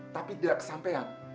tapi tidak sesuai dengan kebijakannya